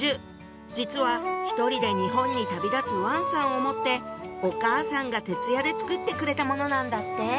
実は１人で日本に旅立つ王さんを思ってお母さんが徹夜で作ってくれたものなんだって！